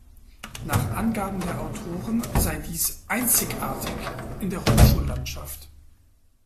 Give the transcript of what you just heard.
Nach Angaben der Autoren sei dies „einzigartig“ in der Hochschullandschaft.